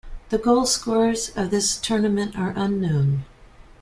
The goalscorers of this tournament are unknown.